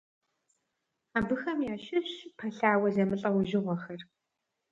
Абыхэм ящыщщ пэлъауэ зэмылӀэужьыгъуэхэр.